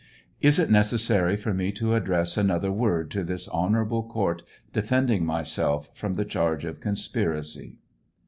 Is it necessary for me to address another word to this honorable court defend ing myself from the charge of conspiracy